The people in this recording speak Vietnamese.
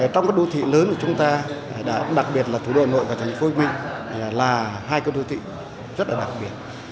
trong các đô thị lớn của chúng ta đặc biệt là thủ đô nội và thành phố huyền minh là hai cơ đô thị rất đặc biệt